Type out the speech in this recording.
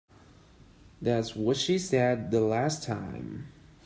That's what she said the last time.